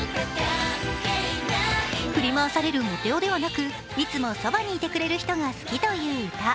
振り回されるモテ男ではなく、いつもそばにいてくれる人が好きという歌。